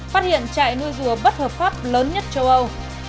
phát hiện chạy nuôi rùa bất hợp pháp lớn nhất châu âu